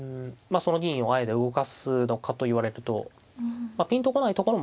その銀をあえて動かすのかと言われるとピンとこないところもありますかね。